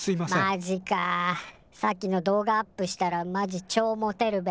マジかさっきの動画アップしたらマジちょモテるべ。